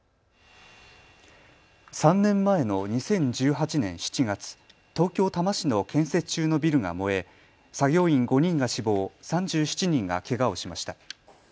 ３年前の２０１８年７月、東京多摩市の建設中のビルが燃え作業員５人が死亡、３７人がけがをしました。